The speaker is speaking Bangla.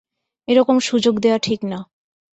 এ রকম সুযোগ দেয়া ঠিক না।